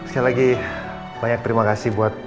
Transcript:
saya lagi banyak terima kasih buat